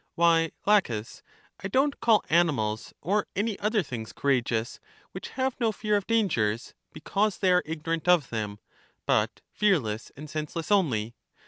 Why, Laches, I don't call animals or any other things courageous, which have no fear of dan gers, because they are ignorant of them, but fearless and senseless only.